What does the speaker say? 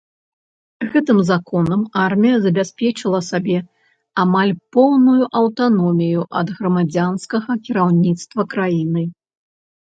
Гэтым законам армія забяспечыла сабе амаль поўную аўтаномію ад грамадзянскага кіраўніцтва краіны.